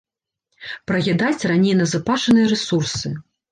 Праядаць раней назапашаныя рэсурсы.